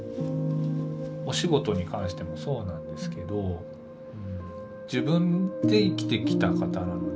お仕事に関してもそうなんですけど自分で生きてきた方なので。